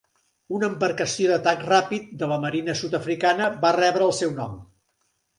Una embarcació d'atac ràpid de la marina sud-africana va rebre el seu nom.